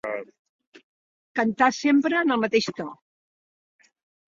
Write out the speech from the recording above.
Cantar sempre en el mateix to.